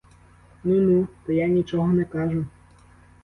Ну, ну, та я нічого не кажу.